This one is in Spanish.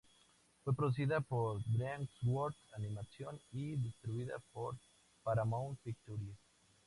Fue producida por Dreamworks Animation y distribuida por Paramount Pictures.